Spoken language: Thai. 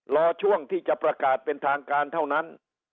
รอช่วงที่จะประกาศเป็นทางการเท่านั้น